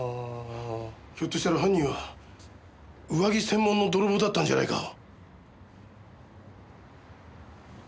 ひょっとしたら犯人は上着専門の泥棒だったんじゃないか？